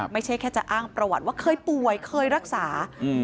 ไม่ใช่แค่จะอ้างประวัติว่าเคยป่วยเคยรักษาอืม